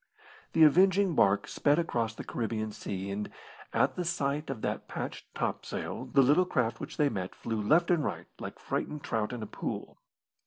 The avenging barque sped across the Caribbean Sea, and, at the sight of that patched topsail, the little craft which they met flew left and right like frightened trout in a pool.